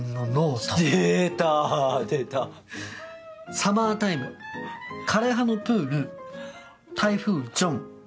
『サマータイム』『枯葉のプール』『台風ジョン』。